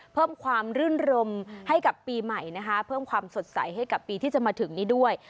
เพิ่มความรื่นรมให้กับปีใหม่นะคะเพิ่มความสดใสให้กับปีที่จะมาถึงนี้ด้วย